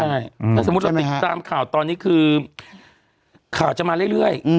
ถ้าสมมุติเราติดตามข่าวตอนนี้คือข่าวจะมาเรื่อย